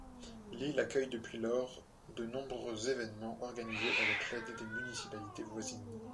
L'île accueille depuis lors de nombreux évènements organisés avec l'aide des municipalités voisines.